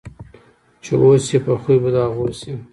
چي اوسې په خوی به د هغو سې